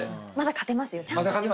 勝てます。